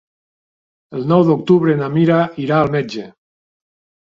El nou d'octubre na Mira irà al metge.